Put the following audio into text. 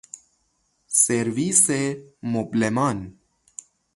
سرویس مبلمان